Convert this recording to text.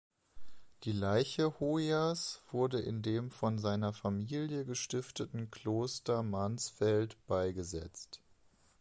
Die Leiche Hoyers wurde in dem von seiner Familie gestifteten Kloster Mansfeld beigesetzt.